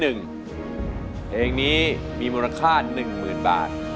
เพลงนี้มีมูลค่า๑๐๐๐บาท